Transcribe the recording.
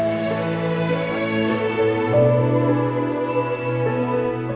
sayang kakinya tidak kunjung sembuh